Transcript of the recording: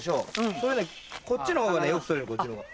そういうのこっちの方がよく取れるこっちの方が。